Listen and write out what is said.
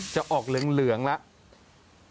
จะออกเหลืองแล้ว